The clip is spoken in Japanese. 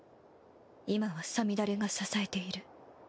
今はさみだれが支えている。